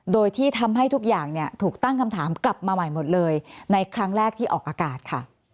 โดยที่ทำให้ทุกอย่างถูกตั้งคำถามกลับมาใหม่หมดเลยในครั้งแรกที่ออกอากาศค่ะ